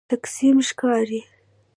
تقسیم ښکاري.